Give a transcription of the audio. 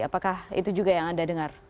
apakah itu juga yang anda dengar